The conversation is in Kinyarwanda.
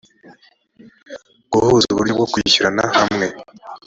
guhuza uburyo bwo kwishyurana hamwe